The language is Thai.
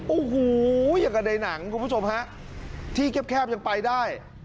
โอ้โหอย่างกับในหนังคุณผู้ชมฮะที่แคบยังไปได้